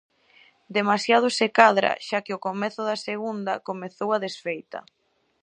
Demasiado se cadra, xa que ao comezo da segunda comezou a desfeita.